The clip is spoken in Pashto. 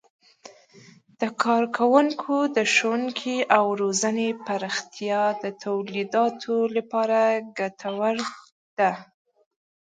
د کارګرانو د ښوونې او روزنې پراختیا د تولیداتو لپاره ګټوره ده.